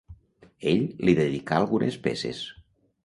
Ell li dedicà algunes peces.